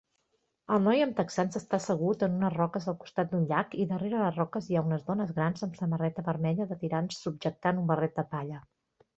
Un noi amb texans està assegut en unes roques al costat d'un llac i darrere de les roques hi ha unes dones grans amb samarreta vermella de tirants subjectant un barret de palla